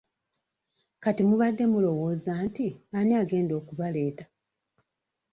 Kati mubadde mulowooza nti ani agenda okubaleeta?